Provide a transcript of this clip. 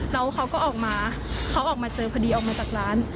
แล้วเขาก็ออกมาเจอพอดีออกมาจากร้าน